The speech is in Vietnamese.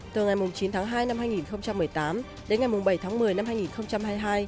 từ ngày chín tháng hai năm hai nghìn một mươi tám đến ngày bảy tháng một mươi năm hai nghìn hai mươi hai